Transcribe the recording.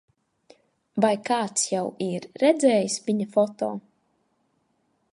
Vai kāds jau ir redzējis viņa foto?